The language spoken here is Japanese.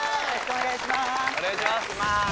お願いします